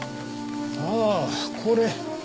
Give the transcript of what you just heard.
ああこれ。